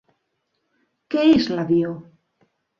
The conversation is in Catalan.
Què és l'avió?